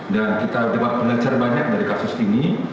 dan kita belajar banyak dari kasus ini